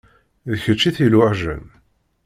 D kečč i t-iluɛjen.